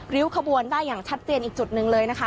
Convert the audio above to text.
ขบวนได้อย่างชัดเจนอีกจุดหนึ่งเลยนะคะ